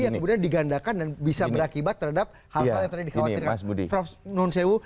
yang kemudian digandakan dan bisa berakibat terhadap hal hal yang tadi dikhawatirkan prof nunsewu